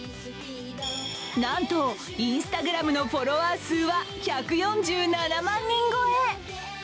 なんとＩｎｓｔａｇｒａｍのフォロワー数は１４７万人超え。